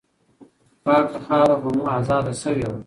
پاکه خاوره به مو آزاده سوې وه.